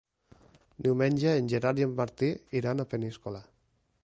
Diumenge en Gerard i en Martí iran a Peníscola.